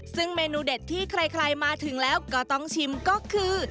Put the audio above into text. ซึ่งเมนูเด็ดที่ใครมาถึงแล้วก็ต้องชิมก็คือ